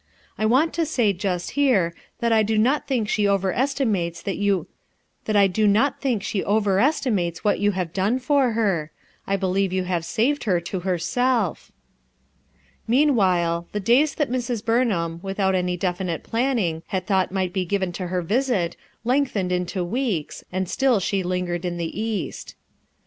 I Want to say, just here, that I do not think she over estimates what you have done for her; I believe you have saved her to herself." Meanwhile, the days that Mrs. Burnham, without any definite planning, had thought might be given to her visit lengthened into weeks, and still she lingered in the East.